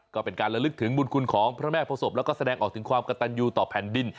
ก็เป็นการระลึกถึงบุญคุณของพระแม่โพศพแล้วก็แสดงออกถึงความกระตันยูต่อแผ่นดิน